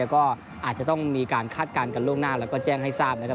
ก็อาจจะต้องมีการคาดการณ์กันล่วงหน้าแล้วก็แจ้งให้ทราบนะครับ